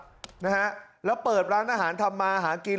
ตำรวจเลยครับนะฮะแล้วเปิดร้านอาหารทำมาหากิน